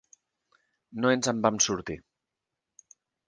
No ens en vam sortir.